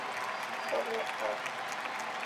Sobre Av.